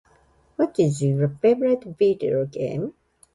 What is your favorite video game?